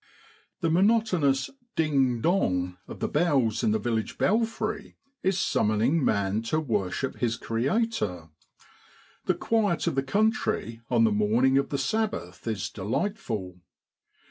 The monotonous ding ! dong ! of the bells in the village belfry is summoning man to worship his Creator. The quiet of the country on the morning of the Sabbath is delightful.